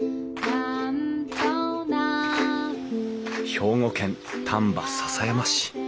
兵庫県丹波篠山市。